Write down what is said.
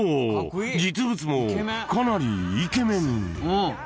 実物もかなりイケメン］